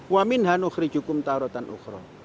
waminhanu krijukum tauratan ukro